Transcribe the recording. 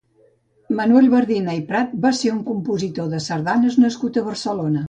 Manuel Bardina i Prat va ser un compositor de sardanes nascut a Barcelona.